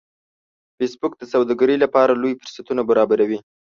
فېسبوک د سوداګرۍ لپاره لوی فرصتونه برابروي